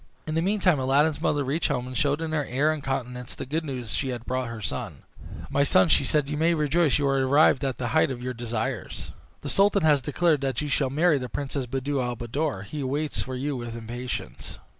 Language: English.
In the meantime Aladdin's mother reached home, and showed in her air and countenance the good news she brought her son. "My son," said she, "you may rejoice you are arrived at the height of your desires. The sultan has declared that you shall marry the Princess Buddir al Buddoor. He waits for you with impatience."